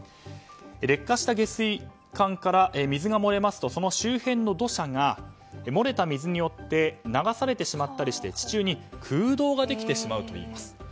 劣化した下水管から水が漏れますとその周辺の土砂が漏れた水によって流されてしまったりして、地中に空洞ができてしまうといいます。